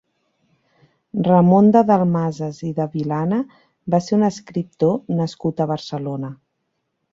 Ramon de Dalmases i de Vilana va ser un escriptor nascut a Barcelona.